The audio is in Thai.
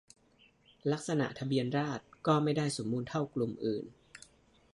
ลักษณะทะเบียนราฎษร์ก็ไม่ได้สมบูรณ์เท่ากลุ่มอื่น